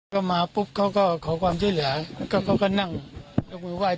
ก็มาปุ๊บเขาก็ขอความช่วยเหลือเขาก็นั่งแล้วกูไหว้